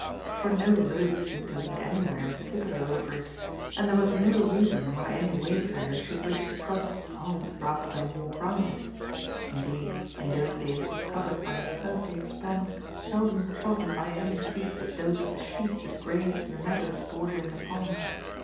For no road seemed to lead anywhere in particular over it, and there was no reason why any wayfarer should wish to cross the pond rather than walk round it; indeed, in those days it was covered by a turfy expanse seldom trodden by any feet but those of the sheep that grazed in the meadows bordering the pond.